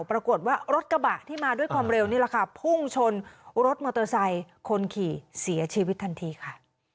ปรากฏว่ารถกระบะที่มาด้วยความเร็วนี่แหละค่ะพุ่งชนรถมอเตอร์ไซค์คนขี่เสียชีวิตทันทีค่ะ